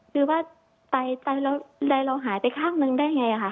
คือว่าไตเราหายไปข้างหนึ่งได้ยังไงค่ะ